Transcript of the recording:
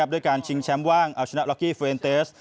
ด้วยการชิงแชมป์ว่างเอาชนะล็อกกี้เรนเตส